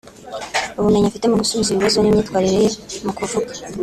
ubumenyi afite mu gusubiza ibibazo n’imyitwarire ye mu kuvuga